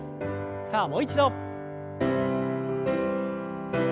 さあもう一度。